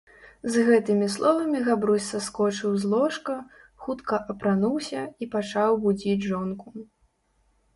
З гэтымi словамi Габрусь саскочыў з ложка, хутка апрануўся i пачаў будзiць жонку.